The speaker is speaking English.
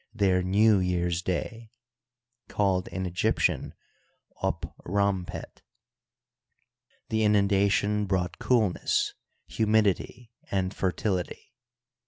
their New year's day (called in Egyptian up rompet). The inundation brought coolness, humidity, and fertility.